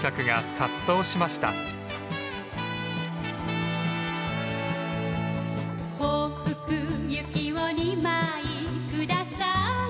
「幸福行きを二枚ください」